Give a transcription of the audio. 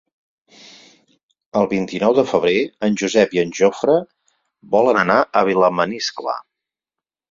El vint-i-nou de febrer en Josep i en Jofre volen anar a Vilamaniscle.